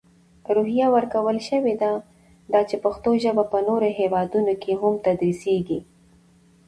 روحیه ورکول شوې ده، دا چې پښتو ژپه په نورو هیوادونو کې هم تدرېسېږي.